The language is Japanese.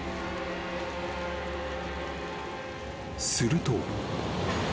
［すると］